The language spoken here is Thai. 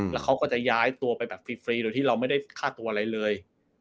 แล้วเขาก็จะย้ายตัวไปแบบฟรีโดยที่เราไม่ได้ฆ่าตัวอะไรเลย